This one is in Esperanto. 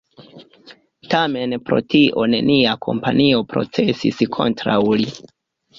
Tamen pro tio nenia kompanio procesis kontraŭ li.